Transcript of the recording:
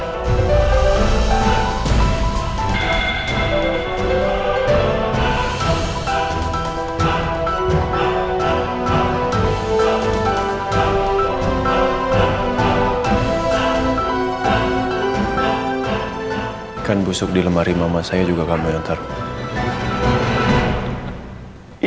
ikan busuk di lemari mama saya juga kamu yang taruh